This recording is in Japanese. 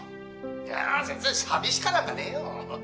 「いやあ全然寂しかなんかねえよ！」